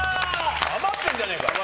余ってるじゃねえか。